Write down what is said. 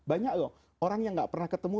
banyak loh orang yang gak pernah ketemu